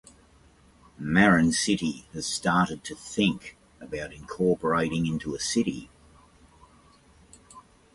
Marin City has started to think about incorporating into a city.